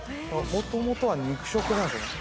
もともとは肉食なんですよね。